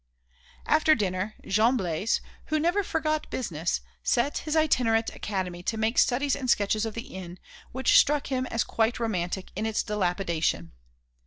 After dinner, Jean Blaise, who never forgot business, set his itinerant academy to make studies and sketches of the inn, which struck him as quite romantic in its dilapidation.